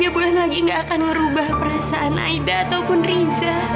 tiga bulan lagi gak akan merubah perasaan aida ataupun riza